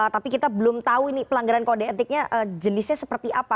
tapi kita belum tahu ini pelanggaran kode etiknya jenisnya seperti apa